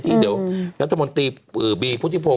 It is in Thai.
ที่เดี๋ยวรัฐมนตรีบีภูติพรง